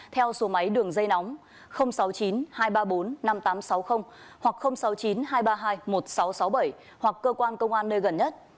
theo số máy đường dây nóng sáu mươi chín hai trăm ba mươi bốn năm nghìn tám trăm sáu mươi hoặc sáu mươi chín hai trăm ba mươi hai một nghìn sáu trăm sáu mươi bảy hoặc cơ quan công an nơi gần nhất